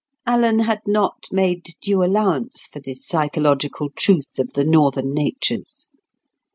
Alan had not made due allowance for this psychological truth of the northern natures.